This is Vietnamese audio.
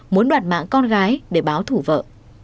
muốn đoạt mãn con gái để báo thủ vợ